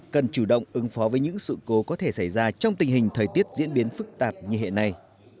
cần chủ động ứng phó với những sự cố có thể xảy ra trong tình hình thời tiết diễn biến phức tạp như hiện nay